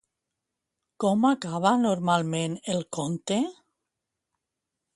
Com acaba normalment el conte?